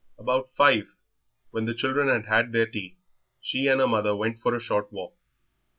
About five, when the children had had their tea, she and her mother went for a short walk.